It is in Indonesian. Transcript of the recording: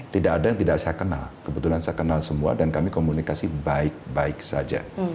tidak ada yang tidak saya kenal kebetulan saya kenal semua dan kami komunikasi baik baik saja